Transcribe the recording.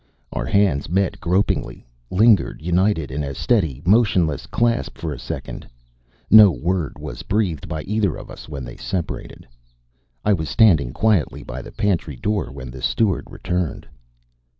Our hands met gropingly, lingered united in a steady, motionless clasp for a second. ... No word was breathed by either of us when they separated. I was standing quietly by the pantry door when the steward returned.